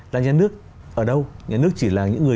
là nhà nước ở đâu nhà nước chỉ là những người